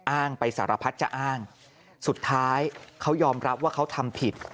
อ้างไปสารพัดจะอ้างสุดท้ายเขายอมรับว่าเขาทำผิด